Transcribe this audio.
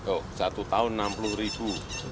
kalau satu tahun enam puluh ribu